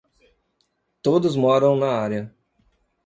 Todos moram na área.